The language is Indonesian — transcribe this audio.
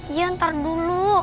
iya ntar dulu